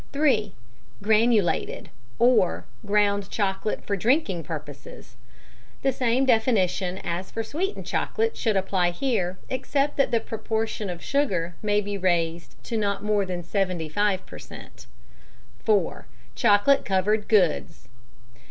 (3) Granulated, or Ground Chocolate for Drinking purposes. The same definition as for sweetened chocolate should apply here, except that the proportion of sugar may be raised to not more than 75 per cent. (4) _Chocolate covered Goods.